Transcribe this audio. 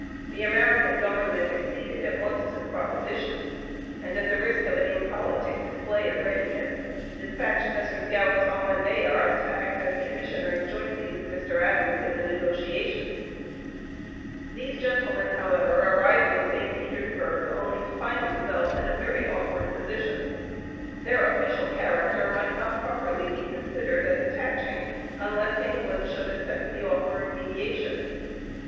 The American (p. 075) government acceded at once to the proposition, and at the risk of an impolitic display of readiness dispatched Messrs. Gallatin and Bayard to act as Commissioners jointly with Mr. Adams in the negotiations. These gentlemen, however, arrived in St. Petersburg only to find themselves in a very awkward position. Their official character might not properly be considered as attaching unless England should accept the offer of mediation.